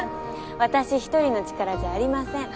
私ひとりの力じゃありません。